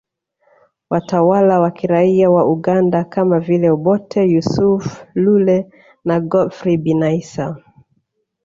Watawala wa kiraia wa Uganda kama vile Obote Yusuf Lule na Godfrey Binaisa